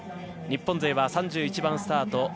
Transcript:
日本勢は３１番スタート。